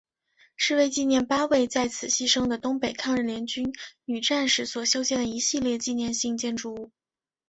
是为纪念八位在此牺牲的东北抗日联军女战士所修建的一系列纪念性建筑物。